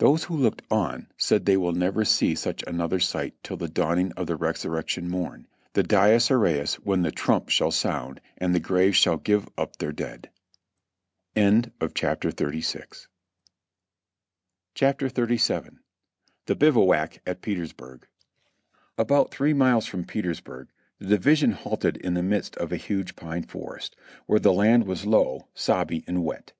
Those who looked on said that they will never see such another sight till the dawning of the resurrection morn, the Dies Iraes when the trump shall sound and the graves shall give up their dead. i CHAPTER XXXVII. THE BIVOUAC AT PETERSBURG. About three miles from Petersburg the division halted in the midst of a huge pine forest, where the land was low, sobby and wet.